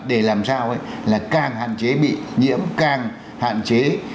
để làm sao là càng hạn chế bị nhiễm càng hạn chế